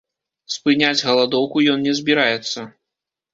Спыняць галадоўку ён не збіраецца.